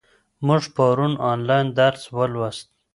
موږ پرون آنلاین درس ولوست.